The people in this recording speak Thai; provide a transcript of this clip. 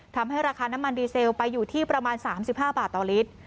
ทำให้ราคาน้ำมันดีเซลไปอยู่ที่ประมาณ๓๕บาทต่อลิตร